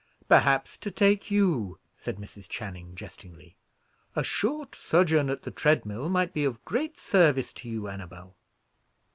"Perhaps to take you," said Mrs. Channing, jestingly. "A short sojourn at the tread mill might be of great service to you, Annabel."